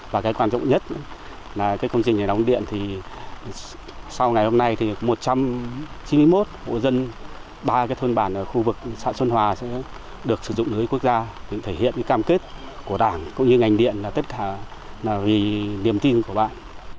và ba thôn bản ở khu vực xã xuân hòa sẽ được sử dụng lưới quốc gia để thể hiện cam kết của đảng cũng như ngành điện là tất cả là vì niềm tin của bản